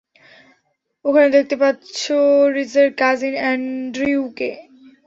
ওখানে দেখতে পাচ্ছো রিজের কাজিন অ্যান্ড্রিউকে!